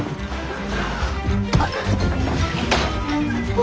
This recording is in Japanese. あ。